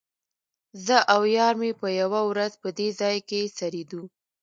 زه او یار مې یوه ورځ په دې ځای کې څریدو.